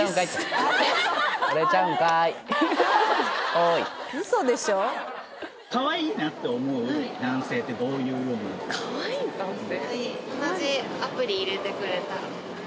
おいかわいいなって思う男性ってどういうようなかわいい男性？